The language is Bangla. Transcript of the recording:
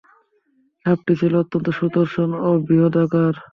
সাপটি ছিল অত্যন্ত সুদর্শন ও বৃহদাকার।